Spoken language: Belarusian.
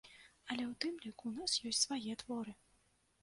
Але ў тым ліку, у нас ёсць свае творы!